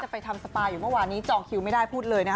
ไปทำสปาอยู่เมื่อวานนี้จองคิวไม่ได้พูดเลยนะคะ